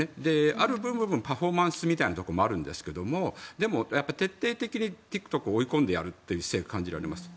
ある部分はパフォーマンスみたいなところもあるんですけどでも、徹底的にＴｉｋＴｏｋを追い込んでやるという姿勢が感じられます。